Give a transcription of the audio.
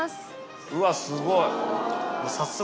うわすごい。